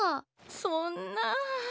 そんな。